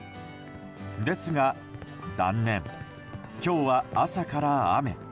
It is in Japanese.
ですが残念、今日は朝から雨。